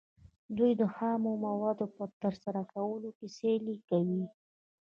دوی د خامو موادو په ترلاسه کولو کې سیالي کوي